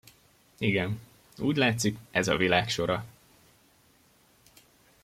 Igen, úgy látszik, ez a világ sora!